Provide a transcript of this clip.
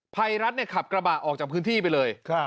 ภัยรัฐขับกระบะออกจากพื้นที่ไปเลย